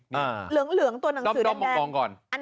เหลืองตัวหนังสือแดงแดง